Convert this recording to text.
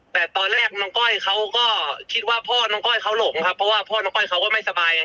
แต่ตอนแรกน้องก้อยเขาก็คิดว่าพ่อน้องก้อยเขาหลงครับเพราะว่าพ่อน้องก้อยเขาก็ไม่สบายไง